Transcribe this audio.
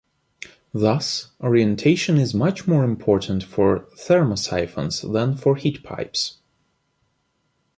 Thus, orientation is much more important for thermosiphons than for heatpipes.